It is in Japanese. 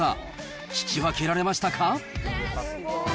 聞き分けられましたか？